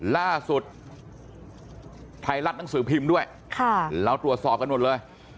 ล่าสุดไทยรัฐหนังสือพิมพ์ด้วยเราตรวจสอบกันหมดเลย